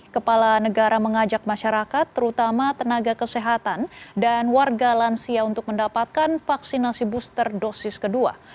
kepala negara mengajak masyarakat terutama tenaga kesehatan dan warga lansia untuk mendapatkan vaksinasi booster dosis kedua